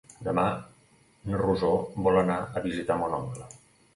Demà na Rosó vol anar a visitar mon oncle.